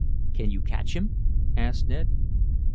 "Can you catch him?" asked Ned.